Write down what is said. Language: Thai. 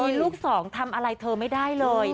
มีลูกสองทำอะไรเธอไม่ได้เลย